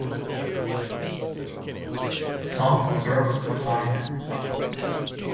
The songs serve as a tie to the past.